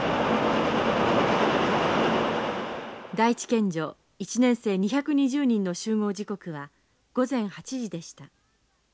第一県女１年生２２０人の集合時刻は午前８時でした。